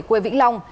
quê vĩnh long